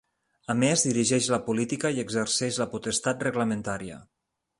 A més, dirigeix la política i exerceix la potestat reglamentària.